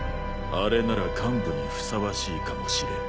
あれなら幹部にふさわしいかもしれん。